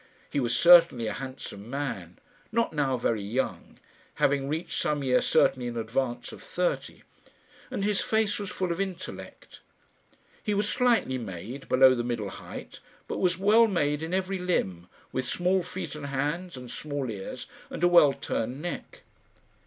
He was certainly a handsome man, not now very young, having reached some year certainly in advance of thirty, and his face was full of intellect. He was slightly made, below the middle height, but was well made in every limb, with small feet and hands, and small ears, and a well turned neck.